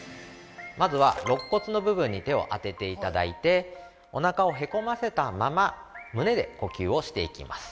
◆まずは、ろっ骨の部分に手を当てていただいておなかをへこませたまま胸で呼吸をしていきます。